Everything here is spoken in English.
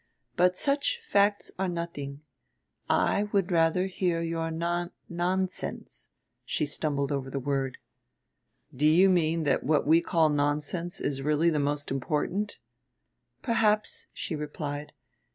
But such facts are nothing. I would rather hear your non nonsense," she stumbled over the word. "Do you mean that what we call nonsense is really the most important?" "Perhaps," she replied.